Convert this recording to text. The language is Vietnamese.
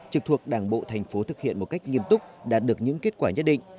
trực thuộc đảng bộ tp hcm thực hiện một cách nghiêm túc đạt được những kết quả nhất định